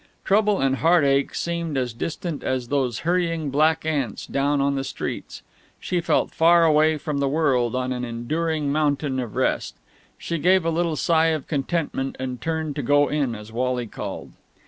Trouble and heartache seemed as distant as those hurrying black ants down on the streets. She felt far away from the world on an enduring mountain of rest. She gave a little sigh of contentment and turned to go in as Wally called.